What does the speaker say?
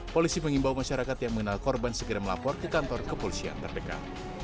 polisi mengimbau masyarakat yang mengenal korban segera melapor ke kantor kepolisian terdekat